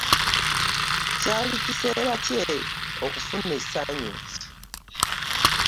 Kyali kiseera kye okufuna essanyu.